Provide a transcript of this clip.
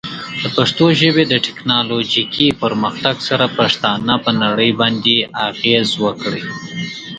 د پښتو ژبې د ټیکنالوجیکي پرمختګ سره، پښتانه پر نړۍ باندې اغېز وکړي.